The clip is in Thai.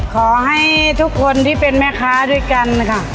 ขอให้ทุกคนที่เป็นแม่ค้าด้วยกันค่ะ